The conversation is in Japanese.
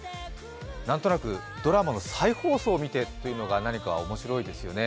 なんとなくドラマの再放送を見てというのが面白いですよね。